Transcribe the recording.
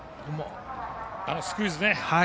あのスクイズね。